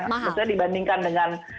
maksudnya dibandingkan dengan